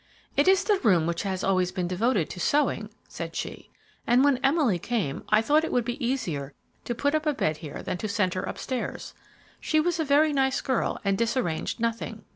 "It is the room which has always been devoted to sewing," said she; "and when Emily came, I thought it would be easier to put up a bed here than to send her upstairs. She was a very nice girl and disarranged nothing."